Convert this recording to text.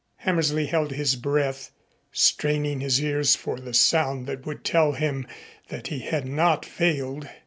Hammersley held his breath, straining his ears for the sound that would tell him that he had not failed.